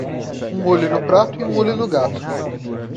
Um olho no prato e um olho no gato.